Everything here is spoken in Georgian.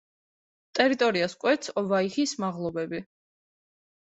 ტერიტორიას კვეთს ოვაიჰის მაღლობები.